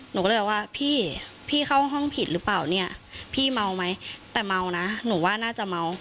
หนูก็เลยแบบว่าพี่พี่เข้าห้องผิดหรือเปล่าเนี่ยพี่เมาไหมแต่เมานะหนูว่าน่าจะเมา